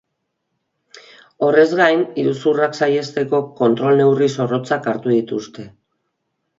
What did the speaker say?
Horrez gain, iruzurrak saihesteko kontrol neurri zorrotzak hartu dituzte.